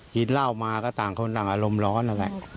กินเหล้ามาก็ต่างคนต่างอารมณ์ร้อนอะไรอืม